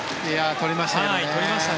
取りましたね。